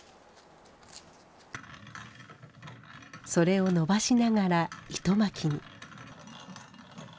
それを伸ばしながら糸巻きに。